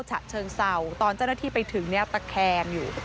ฉะเชิงเศร้าตอนเจ้าหน้าที่ไปถึงเนี่ยตะแคงอยู่